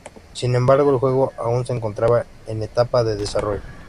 Sin embargo, el juego aún se encontraba en etapa de desarrollo.